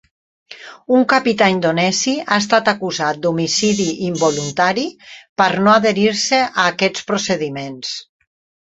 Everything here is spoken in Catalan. Un capità indonesi ha estat acusat d'homicidi involuntari per no adherir-se a aquests procediments.